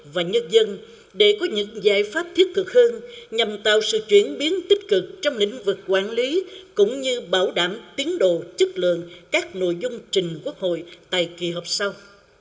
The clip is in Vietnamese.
và nhân dân để có những giải pháp thiết cực hơn nhằm tạo sự chuyển biến tích cực trong lĩnh vực quản lý cũng như bảo đảm tiến độ chất lượng các nội dung trình quốc hội tại kỳ họp sau